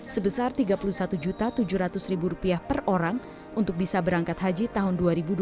sebesar rp tiga puluh satu tujuh ratus per orang untuk bisa berangkat haji tahun dua ribu dua puluh satu